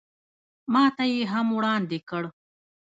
ماته یې هم وړاندې کړ.